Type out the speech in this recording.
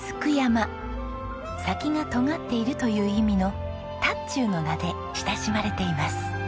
先がとがっているという意味の「タッチュー」の名で親しまれています。